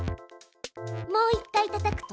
もう一回たたくと。